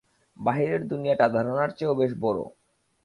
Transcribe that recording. বাহিরের দুনিয়াটা ধারণার চেয়েও বেশ বড়।